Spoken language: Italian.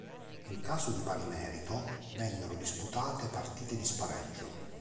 In caso di pari merito vennero disputate partite di spareggio.